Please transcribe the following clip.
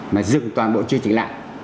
mà dừng toàn bộ chương trình lại